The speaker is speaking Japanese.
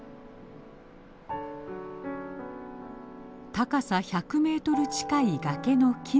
高さ１００メートル近い崖の木の上。